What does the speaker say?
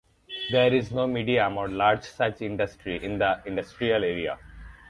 There is no medium or large size industry in the industrial area.